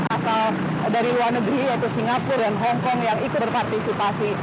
asal dari luar negeri yaitu singapura dan hongkong yang ikut berpartisipasi